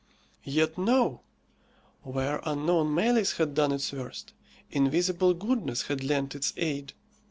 Yet no! Where unknown malice had done its worst, invisible goodness had lent its aid.